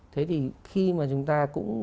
thế thì khi mà chúng ta cũng